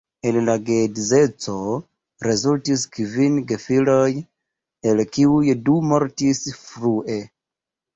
El la geedzeco rezultis kvin gefiloj, el kiuj du mortis frue.